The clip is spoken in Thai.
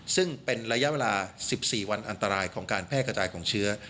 ซึ่งเป็นระยะเวลา๑๔วันอันตรายของการแพร่กระจายของเชื้อ